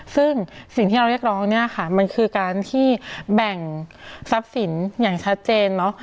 ซึ่งสิ่งที่เราเรียกร้องเนี่ยค่ะมันคือการที่แบ่งทรัพย์สินอย่างชัดเจนเนอะ